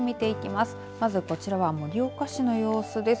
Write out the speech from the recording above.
まずこちらは盛岡市の様子です。